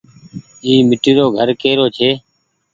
اي ميٽي رو گهر ڪي رو ڇي۔